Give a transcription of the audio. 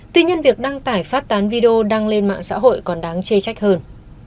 tuy nhiên việc đăng tải phát tán video đăng lên mạng xã hội còn đáng chê trách hơn